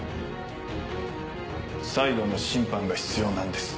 最後の審判が必要なんです。